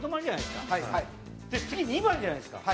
で次２番じゃないですか。